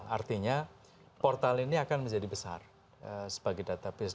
artinya portal ini akan menjadi besar sebagai database